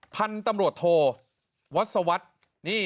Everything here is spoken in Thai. พันธุ์ตำรวจโทวัศวัฒน์